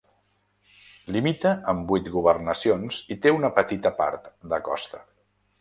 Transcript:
Limita amb vuit governacions i té una petita part de costa.